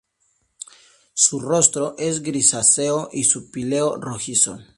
Su rostro es grisáceo y su píleo rojizo.